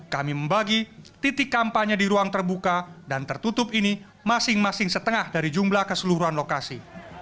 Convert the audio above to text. kami membagi titik kampanye di ruang terbuka dan tertutup ini masing masing setengah dari jumlah keseluruhan lokasi